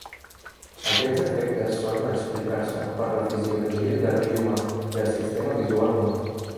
Aquests efectes solen explicar-se per la fisiologia de l'ull humà i el sistema visual humà.